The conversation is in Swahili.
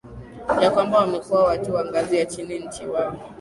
ya kwamba wamekuwa watu wa ngazi ya chini nchi mwao